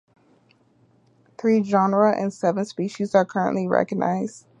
Three genera and seven species are currently recognized.